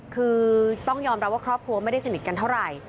คือต้องยอมรับว่าครอบครัวไม่ได้สนิทกันเท่าไหร่